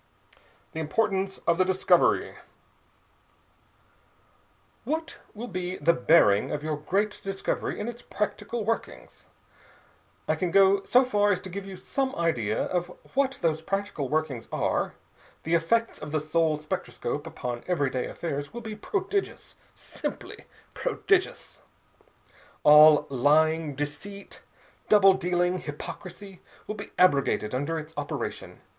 THE IMPORTANCE OF THE DISCOVERY "What will be the bearing of your great discovery in its practical workings?" "I can go so far as to give you some idea of what those practical workings are. The effect of the soul spectroscope upon everyday affairs will be prodigious, simply prodigious. All lying, deceit, double dealing, hypocrisy, will be abrogated under its operation.